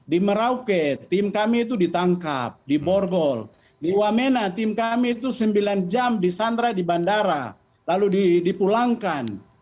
di merauke tim kami itu ditangkap di borgol di wamena tim kami itu sembilan jam disandra di bandara lalu dipulangkan